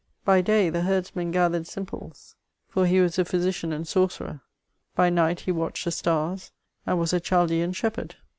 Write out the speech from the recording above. By day the herdsman gathered simples; for he was a physician and sorcerer ; hy night he watched the stars, and was a Chaldean shepherd.